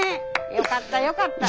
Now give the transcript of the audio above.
よかったよかった。